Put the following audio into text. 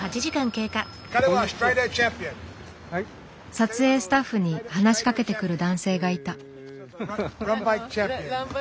撮影スタッフに話しかけてくる男性がいた。